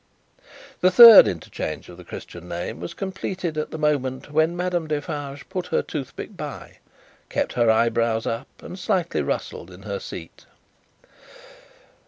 This third interchange of the Christian name was completed at the moment when Madame Defarge put her toothpick by, kept her eyebrows up, and slightly rustled in her seat.